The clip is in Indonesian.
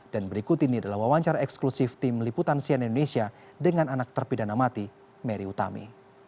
dan berikut ini adalah wawancara eksklusif tim liputan sian indonesia dengan anak terpidana mati mary utami